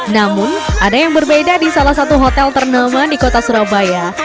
namun ada yang berbeda di salah satu hotel ternama di kota surabaya